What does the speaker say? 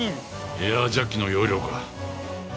エアジャッキの要領か。